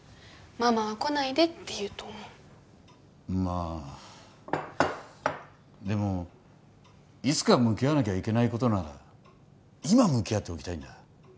ママは来ないでって言うと思うまあでもいつか向き合わなきゃいけないことなら今向き合っておきたいんだ